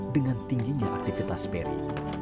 dengan tingginya aktivitas perry